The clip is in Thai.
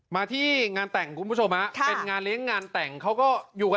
มาที่งานแต่งคุณผู้ชมฮะเป็นงานเลี้ยงงานแต่งเขาก็อยู่กัน